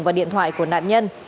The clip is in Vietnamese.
và điện thoại của nạn nhân